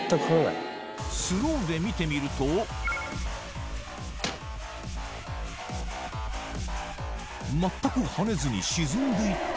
スローで見てみると全く跳ねずに沈んでいった？